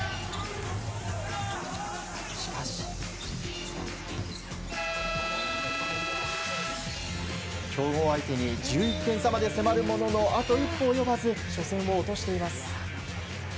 しかし、競合相手に１１点差まで迫るもののあと一歩及ばず初戦を落としています。